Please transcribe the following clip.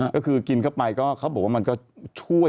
ก็คือกินเข้าไปก็เขาบอกว่ามันก็ช่วย